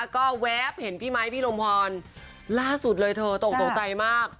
ก็แวบเห็นพี่ไมค์พี่ลมพรล่าสุดเลยเธอตกตกใจมาก